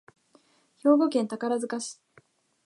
兵庫県宝塚市